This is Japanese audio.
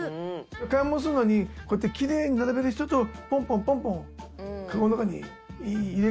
買い物するのにこうやってキレイに並べる人とポンポンポンポンカゴの中に入れ込む人といるんで。